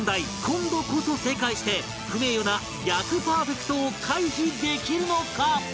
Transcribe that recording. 今度こそ正解して不名誉な逆パーフェクトを回避できるのか？